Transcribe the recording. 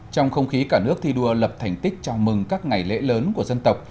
trong không khí cả nước thi đua lập thành tích chào mừng các ngày lễ lớn của dân tộc